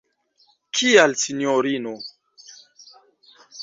Kial, sinjorino?